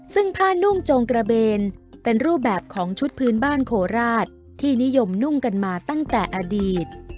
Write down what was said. ซึ่งผ้านุ่งจงกระเบนเป็นรูปแบบของชุดพื้นบ้านโคราชที่นิยมนุ่งกันมาตั้งแต่อดีต